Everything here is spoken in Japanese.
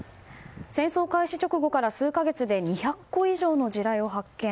戦争開始直後から数か月で２００個以上の地雷を発見。